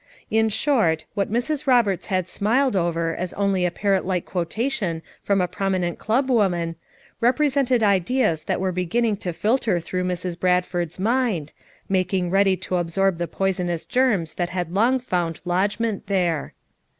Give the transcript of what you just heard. In short, what Mrs. Roberts had smiled over as only a parrot like quotation from a prominent club woman, represented ideas that were beginning to filter through Mrs. Bradford's mind, making ready to absorb the poisonous germs that had long found lodgment there.